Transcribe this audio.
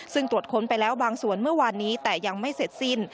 ซึ่งตรวจค้นไปแล้วบางส่วนเมื่อวานนี้แต่ยังไม่เสร็จสิ้น